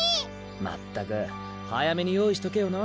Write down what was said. まったく早めに用意しとけよな